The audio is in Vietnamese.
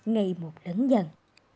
ngày một lớn dần